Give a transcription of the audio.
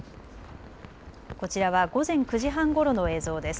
こちらは午前９時半ごろの映像です。